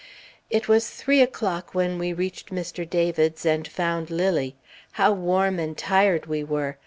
It was three o'clock when we reached Mr. David's and found Lilly. How warm and tired we were!